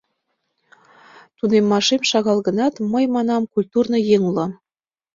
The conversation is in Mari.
Тунеммашем шагал гынат, мый, — манам, — культурный еҥ улам.